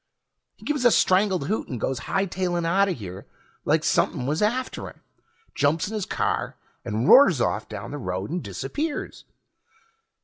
He gives a strangled hoot and goes hightailin' outta here like somepin' was after him. Jumps in his car and roars off down the road and disappears.